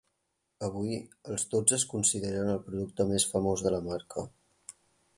Avui, els tots es consideren el producte més famós de la marca.